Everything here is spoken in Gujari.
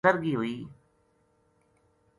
سرہگی ہوئی